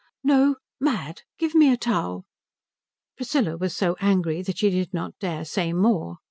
"No. Mad. Give me a towel." Priscilla was so angry that she did not dare say more.